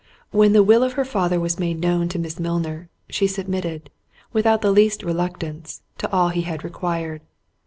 When the will of her father was made known to Miss Milner, she submitted, without the least reluctance, to all he had required.